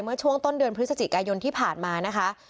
เมื่อช่วงต้นเดือนพฤศจิกายนที่ผ่านมานะคะ